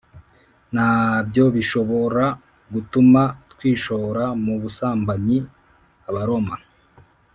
na byo bishobora gutuma twishora mu busambanyi Abaroma